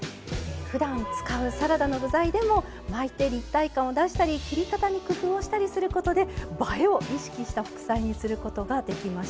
ふだん使うサラダの具材でも巻いて立体感を出したり切り方に工夫をしたりすることで映えを意識した副菜にすることができました。